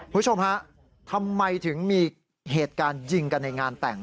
คุณผู้ชมฮะทำไมถึงมีเหตุการณ์ยิงกันในงานแต่ง